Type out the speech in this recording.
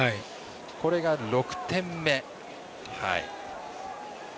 これが６点目。